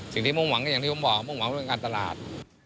มุ่งหวังก็อย่างที่ผมบอกมุ่งหวังเรื่องการตลาด